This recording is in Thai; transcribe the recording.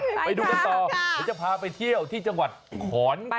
ไปดูกันต่อเดี๋ยวจะพาไปเที่ยวที่จังหวัดขอนแก่น